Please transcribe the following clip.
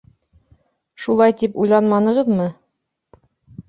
Шулай тип уйланманығыҙмы?